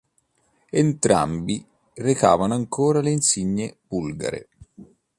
Entrambi recavano ancora le insegne bulgare.